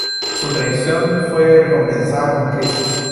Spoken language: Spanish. Su traición fue recompensada con creces.